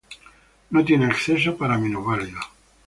No tiene acceso para minusválidos.